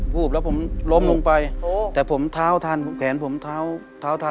วูบแล้วผมล้มลงไปแต่ผมเท้าทันแขนผมเท้าเท้าทัน